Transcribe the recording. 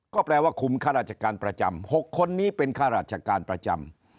ก็แปลว่าคุมข้าราชการประจำ๖คนนี้เป็นข้าราชการประจำ